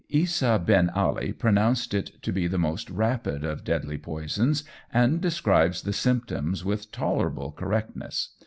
Isa Ben Ali pronounced it to be the most rapid of deadly poisons, and describes the symptoms with tolerable correctness.